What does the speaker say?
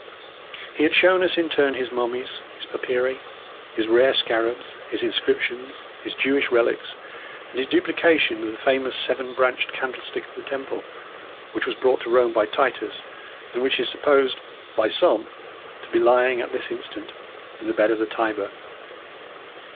He had shown us in turn his mummies, his papyri, his rare scarabs, his inscriptions, his Jewish relics, and his duplication of the famous seven branched candlestick of the Temple, which was brought to Rome by Titus, and which is supposed by some to be lying at this instant in the bed of the Tiber.